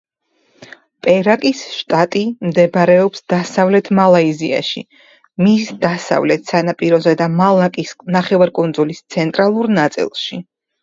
პერაკის შტატი მდებარეობს დასავლეთ მალაიზიაში, მის დასავლეთ სანაპიროზე და მალაკის ნახევარკუნძულის ცენტრალურ ნაწილში.